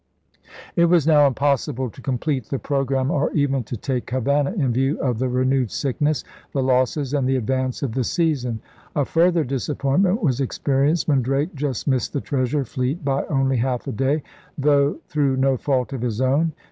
It was now impossible to complete the pro gramme or even to take Havana, in view of the renewed sickness, the losses, and the advance of the season. A further disappointment was ex perienced when Drake just missed the treasure fleet by only half a day, though through no fault of his own.